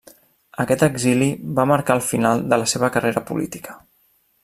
Aquest exili va marcar el final de la seva carrera política.